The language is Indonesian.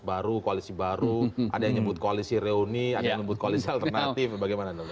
baru koalisi baru ada yang nyebut koalisi reuni ada yang nyebut koalisi alternatif bagaimana dong